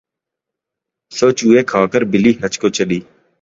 سو چوہے کھا کے بلی حج کو چلی